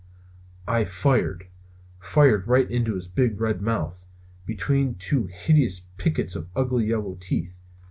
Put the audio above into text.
I fired! fired right into his big red mouth, between two hideous pickets of ugly yellow teeth.